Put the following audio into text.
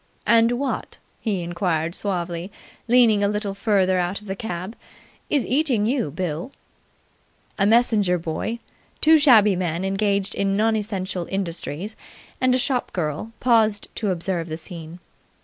"And what," he inquired suavely, leaning a little further out of the cab, "is eating you, Bill?" A messenger boy, two shabby men engaged in non essential industries, and a shop girl paused to observe the scene.